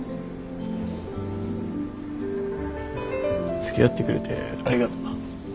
つきあってくれてありがとな。